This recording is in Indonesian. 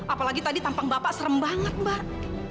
apalagi tadi tampang bapak serem banget mbak